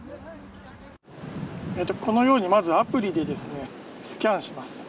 このように、まずアプリでスキャンします。